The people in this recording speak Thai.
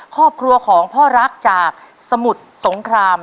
ครอบครัวของพ่อรักจากสมุทรสงคราม